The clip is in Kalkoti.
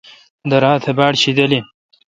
درا تہ باڑ شیدل این۔